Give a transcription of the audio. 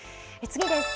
次です。